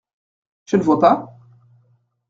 Je ne vois pas !…